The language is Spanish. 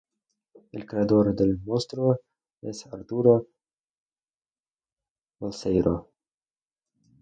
El creador del monstruo es Arturo Balseiro.